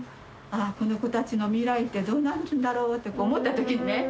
ああこの子たちの未来ってどうなるんだろうって思った時にね